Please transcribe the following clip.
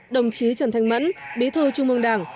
đồng chí trần thanh mẫn bí thư trung mương đảng